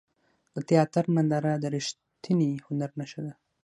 د تیاتر ننداره د ریښتیني هنر نښه ده.